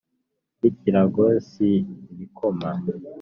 n'ikirago singikoma